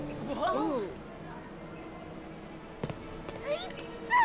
いったぁ！